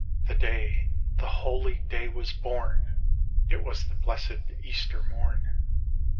The day, the holy day was born ; It was the blessed Easter morn.